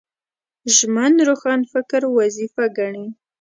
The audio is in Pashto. ژمن روښانفکر وظیفه ګڼي